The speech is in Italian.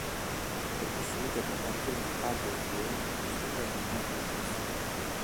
È costruita con mattoni di paglia e fieno che superano il metro di spessore.